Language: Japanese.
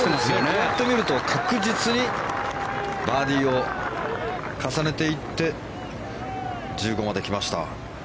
こうやって見ると確実にバーディーを重ねていって１５まで来ました。